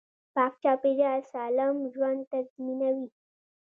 پاک چاپیریال سالم ژوند تضمینوي